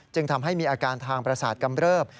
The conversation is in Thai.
จึงทำให้มีอาการทางประสาทกำเริบ